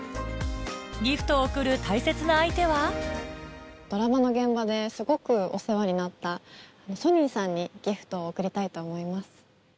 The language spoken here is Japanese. ギフトを贈る大切な相手はドラマの現場ですごくお世話になったソニンさんにギフトを贈りたいと思います。